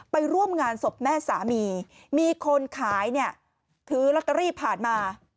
ไปร่วมงานศพแม่สามีมีคนขายเนี่ยถือลอตเตอรี่ผ่านมา